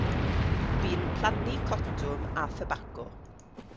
Bu'n plannu cotwm a thybaco.